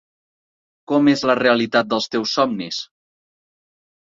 Com és la realitat dels teus somnis?